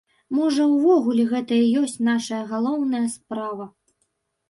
Можа, увогуле, гэта і ёсць нашая галоўная справа.